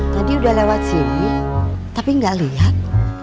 tadi udah lewat sini tapi gak liat